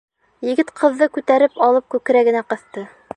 Егет ҡыҙҙы күтәреп алып күкрәгенә ҡыҫты.